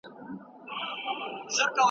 نور خلک بیا هماغه خواړه زیانمن بولي.